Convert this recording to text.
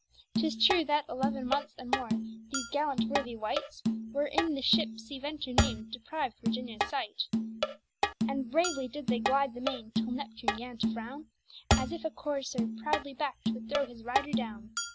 Tis true that eleaven months and more, these gallant worthy wights War in the shippe Sea venture nam'd depriv'd Virginia's sight. And bravely did they glyde the maine, till Neptune gan to frowne, As if a courser proudly backt would throwe his ryder downe.